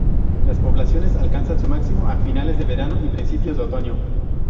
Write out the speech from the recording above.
Las poblaciones alcanzan su máximo a finales de verano y principios de otoño.